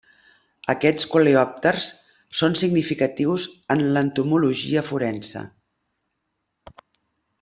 Aquests coleòpters són significatius en l'entomologia forense.